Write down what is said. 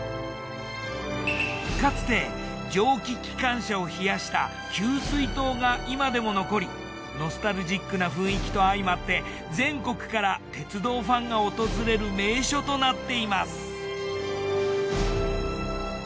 かつて蒸気機関車を冷やした給水塔が今でも残りノスタルジックな雰囲気と相まって全国から鉄道ファンが訪れる名所となっています。